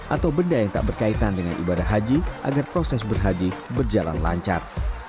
atau benda yang tak berkaitan dengan ibadah haji agar proses berhaji berjalan lancar